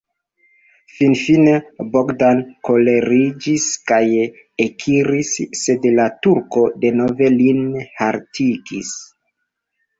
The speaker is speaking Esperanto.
Finfine Bogdan koleriĝis kaj ekiris, sed la turko denove lin haltigis.